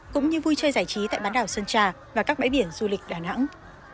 cũng như vui chơi giải trí tại bán đảo sơn trà và các bãi biển du lịch đà nẵng